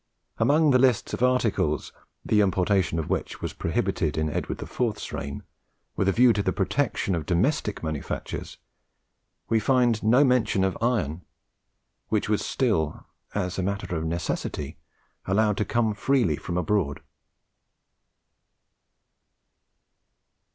Among the lists of articles, the importation of which was prohibited in Edward IV.'s reign, with a view to the protection of domestic manufactures, we find no mention of iron, which was still, as a matter of necessity, allowed to come freely from abroad.